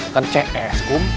kan c s kum